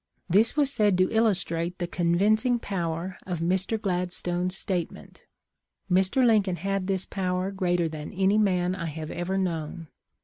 This was said to illustrate the convincing power of Mr. Gladstone's statement. " Mr. Lincoln had this power greater than any man I have ever known.